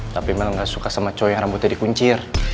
tapi mel gak suka sama cowok yang rambutnya dikunci